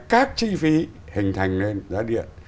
các chi phí hình thành lên giá điện